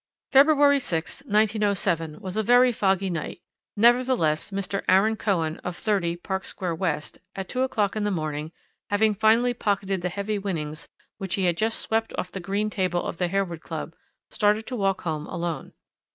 "February 6th, 1907, was a very foggy night, nevertheless Mr. Aaron Cohen, of 30, Park Square West, at two o'clock in the morning, having finally pocketed the heavy winnings which he had just swept off the green table of the Harewood Club, started to walk home alone.